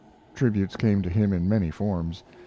Tributes came to him in many forms.